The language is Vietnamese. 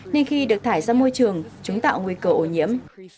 nên khi được thải ra môi trường chúng tạo nguy cơ ô nhiễm